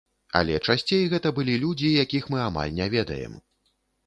Але часцей гэта былі людзі, якіх мы амаль не ведаем.